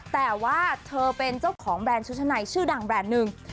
แต่ว่าเธอเป็นเจ้าของแบรนด์ชุดชะในชื่อดังแบรนด์หนึ่ง